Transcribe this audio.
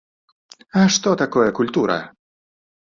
А што такое культура?